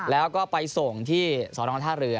แล้วก็ไปส่งที่สอนอท่าเรือ